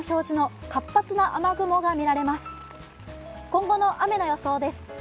今後の雨の予想です。